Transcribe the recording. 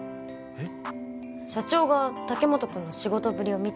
えっ！